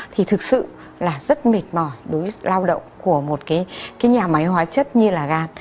thì thực sự là rất mệt mỏi đối với lao động của một cái nhà máy hóa chất như là gan